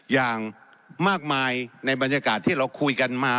อย่างมากมายในบรรยากาศที่เราคุยกันมา